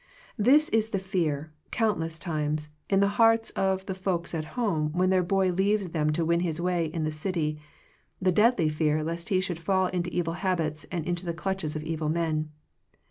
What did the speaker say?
This is the fear, countless times, in the hearts of the folks at home when their boy leaves them to win his way in the city, the deadly fear lest he should fail into evil habits, and into the clutches of evil men.